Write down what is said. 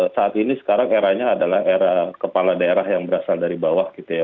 saat ini sekarang eranya adalah era kepala daerah yang berasal dari bawah gitu ya